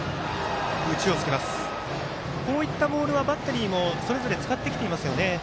こういったボールはバッテリーもそれぞれ使ってきていますよね。